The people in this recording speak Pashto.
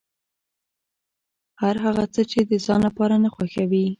هر هغه څه چې د ځان لپاره نه خوښوې.